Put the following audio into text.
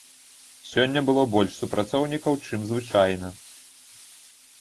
Сёння было больш супрацоўнікаў, чым звычайна.